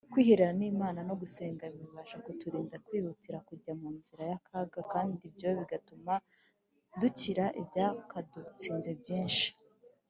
. Kwihererana n’Imana no gusenga bibasha kuturinda kwihutira kujya mu nzira y’akaga, kandi ibyo bigatuma dukira ibyakadutsinze byinshi.